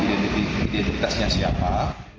pertanyaan ketiga bagaimana peristiwa ini akan dilakukan